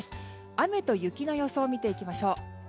雨と雪の予想を見ていきます。